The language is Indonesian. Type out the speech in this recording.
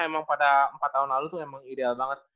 emang pada empat tahun lalu tuh emang ideal banget